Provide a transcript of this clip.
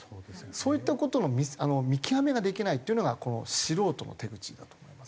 そういった事の見極めができないっていうのが素人の手口だと思います。